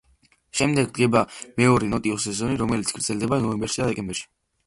შემდეგ დგება მეორე ნოტიო სეზონი, რომელიც გრძელდება ნოემბერში და დეკემბერში.